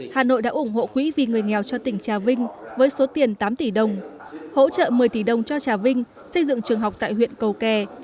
hà nội đã ủng hộ quỹ vì người nghèo cho tỉnh trà vinh với số tiền tám tỷ đồng hỗ trợ một mươi tỷ đồng cho trà vinh xây dựng trường học tại huyện cầu kè